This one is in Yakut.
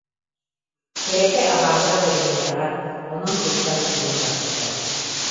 Тэрэкэ абааһыга бэриммэтэҕэ, онон тустан киирэн барбыттара